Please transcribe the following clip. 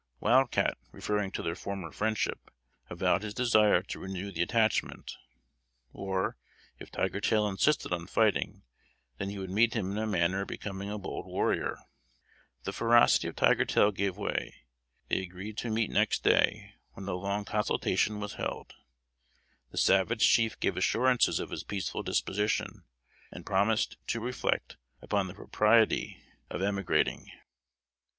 Wild Cat, referring to their former friendship, avowed his desire to renew the attachment; or, if Tiger tail insisted on fighting, then he would meet him in a manner becoming a bold warrior. The ferocity of Tiger tail gave way. They agreed to meet next day, when a long consultation was held. The savage chief gave assurances of his peaceful disposition, and promised to reflect upon the propriety of emigrating.